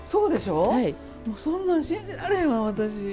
そんなん信じられへんわ、私。